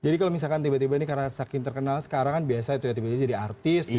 tapi kalau misalkan tiba tiba nih karena saking terkenal sekarang kan biasa ya tiba tiba jadi artis gitu